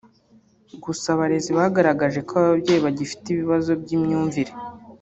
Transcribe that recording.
Gusa abarezi bagaragaje ko ababyeyi bagifite ibibazo by’imyumvire